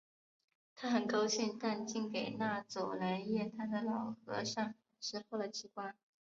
他很高兴；但竟给那走来夜谈的老和尚识破了机关